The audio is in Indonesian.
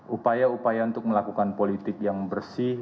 upaya upaya untuk melakukan politik yang bersih